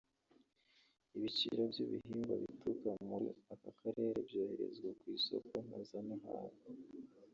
Ibiciro by’ibihingwa bituruka muri aka karere byoherezwa ku isoko mpuzamahanga